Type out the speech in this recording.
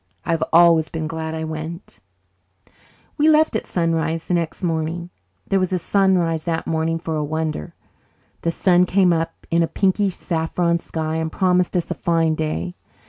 I have always been glad I went. We left at sunrise the next morning; there was a sunrise that morning, for a wonder. The sun came up in a pinky saffron sky and promised us a fine day.